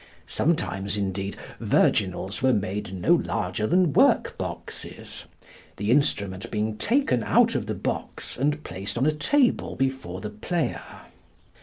Sometimes, indeed, virginals were made no larger than workboxes, the instrument being taken out of the box and placed on a table before the player.